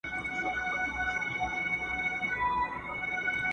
ه ویري ږغ کولای نه سم!!